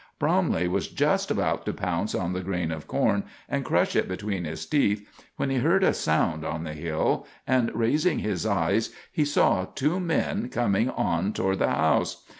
Bromley was just about to pounce on the grain of corn and crush it between his teeth when he heard a sound on the hill, and, raising his eyes, he saw two men coming on toward the house.